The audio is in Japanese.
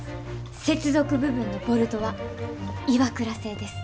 接続部分のボルトはＩＷＡＫＵＲＡ製です。